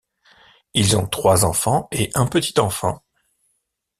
Ils ont trois enfants et un petit-enfant.